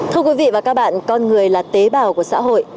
thưa quý vị và các bạn con người là tế bào của xã hội